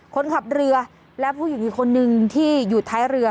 คนขับเรือและผู้หญิงอีกคนนึงที่อยู่ท้ายเรือ